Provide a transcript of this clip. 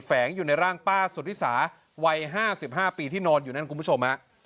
แฝงอยู่ในร่างป้าสุธิสาวัย๕๕ปีที่นอนอยู่นั่นคุณผู้ชมฮะ